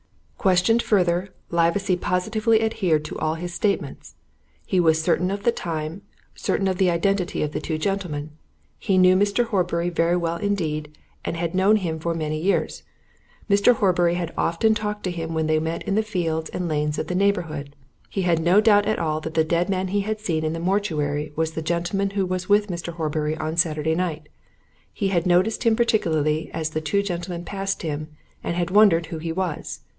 "'Questioned further, Livesey positively adhered to all his statements. He was certain of the time; certain of the identity of the two gentlemen. He knew Mr. Horbury very well indeed; had known him for many years; Mr. Horbury had often talked to him when they met in the fields and lanes of the neighbourhood. He had no doubt at all that the dead man he had seen in the mortuary was the gentleman who was with Mr. Horbury on Saturday night. He had noticed him particularly as the two gentlemen passed him, and had wondered who he was.